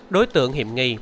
đối tượng hiểm nghi